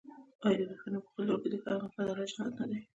آیا د پښتنو په کلتور کې د ښه عمل بدله جنت نه دی؟